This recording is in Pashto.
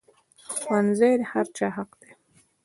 ښوونځی د هر چا حق دی